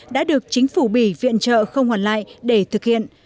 đã được chính phủ bỉ viện trợ không hoàn lại để thực hiện